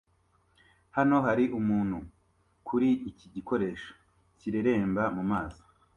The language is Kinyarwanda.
Hano hari umuntu kuri iki gikoresho kireremba mumazi